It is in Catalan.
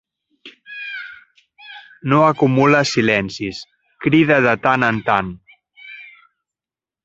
No acumules silencis, crida de tant en tant.